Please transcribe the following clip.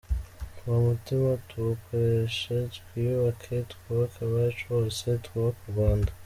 Uwo mutima tuwukoreshe, twiyubake, twubake abacu bose, twubake u Rwanda.